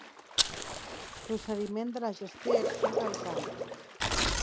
Procediment de la gestió i accés al tràmit.